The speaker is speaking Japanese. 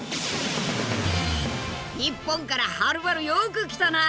日本からはるばるよく来たな！